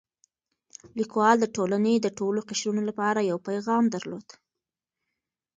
لیکوال د ټولنې د ټولو قشرونو لپاره یو پیغام درلود.